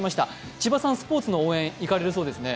千葉さん、スポーツの応援行かれるそうですね。